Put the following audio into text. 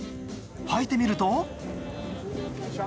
履いてみると。